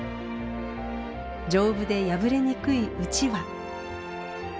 丈夫で破れにくいうちわ。